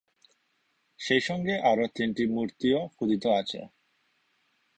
সেই সঙ্গে আরও তিনটি মূর্তিও খোদিত আছে।